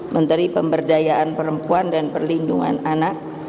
menteri pemberdayaan perempuan dan perlindungan anak